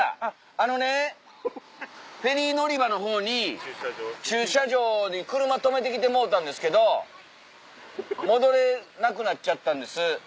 あのねフェリー乗り場のほうに駐車場に車止めて来てもうたんですけど戻れなくなっちゃったんです。